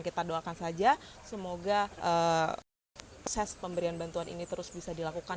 kita doakan saja semoga proses pemberian bantuan ini terus bisa dilakukan